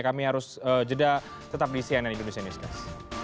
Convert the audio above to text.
kami harus jeda tetap di cnn indonesia news guys